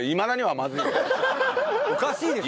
おかしいでしょ！